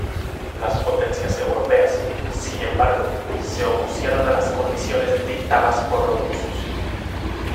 Las potencias europeas, sin embargo, se opusieron a las condiciones dictadas por los rusos.